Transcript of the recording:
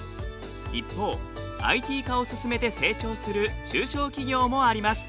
一方ＩＴ化を進めて成長する中小企業もあります。